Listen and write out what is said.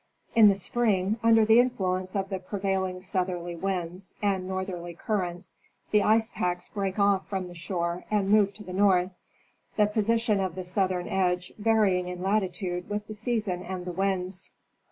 In the spring, under the influence of the prevailing southerly winds and northerly currents, the packs break off from the shore and move to the north, the position of the southern edge varying in latitude with the season and the winds.